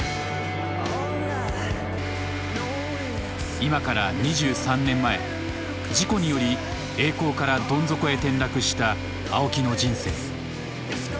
今から２３年前事故により栄光からどん底へ転落した青木の人生。